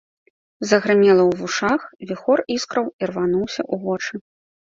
Загрымела ў вушах, віхор іскраў ірвануўся ў вочы.